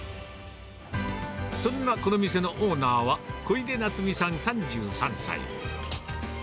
そんなこの店のオーナーは、小出奈津実さん３３歳。